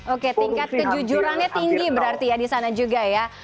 oke tingkat kejujurannya tinggi berarti ya di sana juga ya